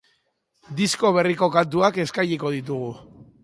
Disko berriko kantuak eskainiko ditugu.